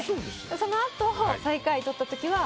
そのあと最下位取ったときは。